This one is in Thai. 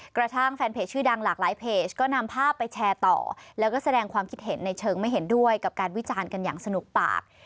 แฟนเพจชื่อดังหลากหลายเพจก็นำภาพไปแชร์ต่อแล้วก็แสดงความคิดเห็นในเชิงไม่เห็นด้วยกับการวิจารณ์กันอย่างสนุกปาก